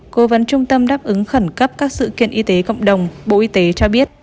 cố vấn trung tâm đáp ứng khẩn cấp các sự kiện y tế cộng đồng bộ y tế cho biết